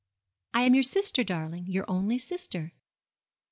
'I am your sister, darling, your only sister.'